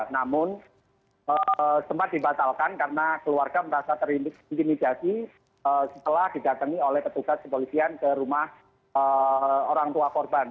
namun sempat dibatalkan karena keluarga merasa terintimidasi setelah didatangi oleh petugas kepolisian ke rumah orang tua korban